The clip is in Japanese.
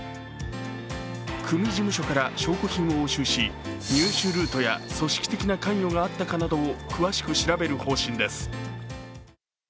組事務所から証拠品を押収し入手ルートや組織的な関与があったかなどを詳しく調べる方針です。